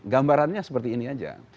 gambarannya seperti ini aja